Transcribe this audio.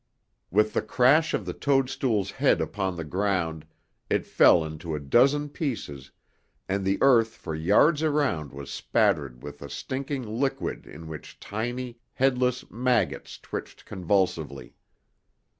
With the crash of the toadstool's "head" upon the ground, it fell into a dozen pieces, and the earth for yards around was spattered with a stinking liquid in which tiny, headless maggots twitched convulsively.